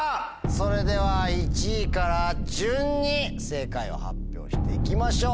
それでは１位から順に正解を発表していきましょう。